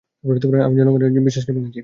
আমি জনগণের বিশ্বাসকে ভেঙেছি।